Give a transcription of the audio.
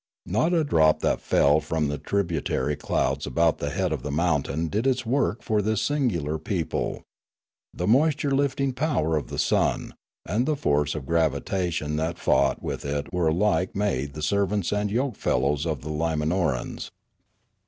Not a drop that fell from the tributary clouds about the head of the mountain but did its work for this singular people; the moisture lifting power of the sun, and the force of gravitation that fought with it were alike made the servants and yoke fellows of the Limanorans.